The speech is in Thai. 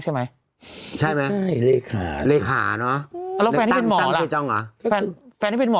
โดยกระเปล่านต่อค่ะ